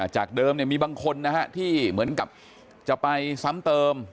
จากเดิมมีบางคนนะฮะที่เหมือนกับจะไปซ้ำเติม